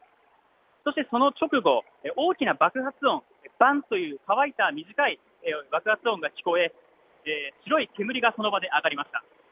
そしてその直後、大きな爆発音ばんという乾いた短い爆発音が聞こえ白い煙がその場で上がりました。